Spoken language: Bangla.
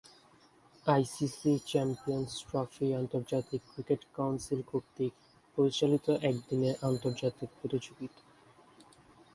আইসিসি চ্যাম্পিয়ন্স ট্রফি আন্তর্জাতিক ক্রিকেট কাউন্সিল কর্তৃক পরিচালিত একদিনের আন্তর্জাতিক প্রতিযোগিতা।